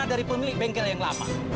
dari pemilik bengkel yang lama